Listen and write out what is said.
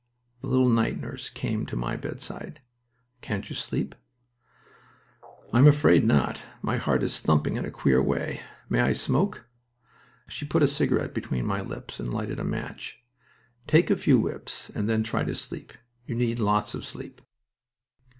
The little night nurse came to my bedside. "Can't you sleep?" "I'm afraid not. My heart is thumping in a queer way. May I smoke?" She put a cigarette between my lips and lighted a match. "Take a few whiffs and then try to sleep. You need lots of sleep."